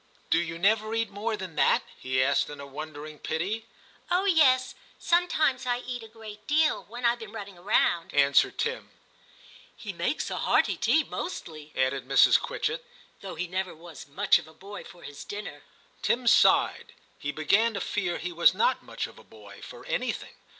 * Do you never eat more than that ?' he asked in wondering pity. *Oh yes, sometimes I eat a great deal, when I've been running about,' answered Tim. * He makes a hearty tea mostly,' added Mrs. Quitchett, ' though he never was much of a boy for his dinner.' Tim sighed ; he began to fear he was not *much of a boy' for anything.